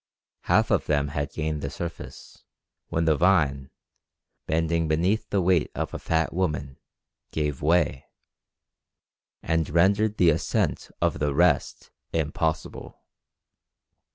Half of them had gained the surface, when the vine, bending beneath the weight of a fat woman, gave way, and rendered the ascent of the rest impossible.